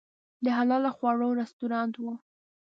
د حلال خواړو رستورانت و.